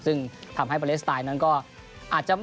ซึ่งทำให้ปาเลสไตล์นั้นก็อาจจะ